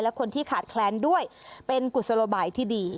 และคนที่ขาดแคลนด้วยเป็นกุศโลบายที่ดี